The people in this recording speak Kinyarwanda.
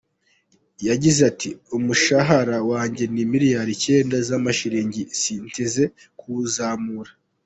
Yagize ati “Umushahara wanjye ni miliyoni icyenda z’amashilingi, sinteze kuwuzamura.